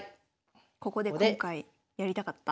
ここで今回やりたかった。